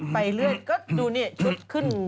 ไปเรื่อยก็ดูนี่ชุดขึ้น